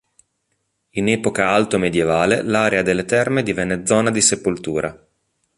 In epoca alto-medievale l'area delle terme divenne zona di sepoltura.